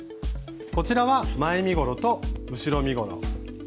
こちらは前身ごろと後ろ身ごろ。